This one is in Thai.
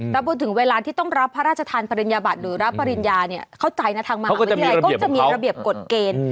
แต่พอถึงเวลาที่ต้องรับพระราชทานปริญญาบัตรหรือรับปริญญาเนี่ยเข้าใจนะทางมหาวิทยาลัยก็จะมีระเบียบกฎเกณฑ์